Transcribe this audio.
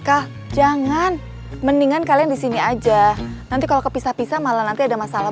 kak jangan mendingan kalian disini aja nanti kalau kepisah pisah malah nanti ada masalah